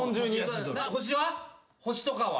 星は？